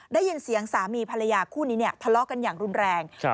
ได้ยินเสียงสามีภรรยาคู่นี้เนี่ยทะเลาะกันอย่างรุนแรง